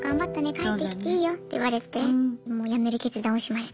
帰ってきていいよ」って言われてやめる決断をしました。